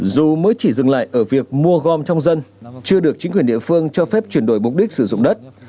dù mới chỉ dừng lại ở việc mua gom trong dân chưa được chính quyền địa phương cho phép chuyển đổi mục đích sử dụng đất